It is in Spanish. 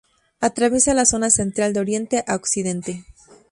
Atraviesa la Zona Central de oriente a occidente.